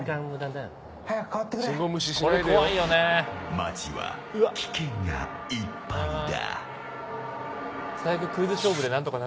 街は危険がいっぱいだ。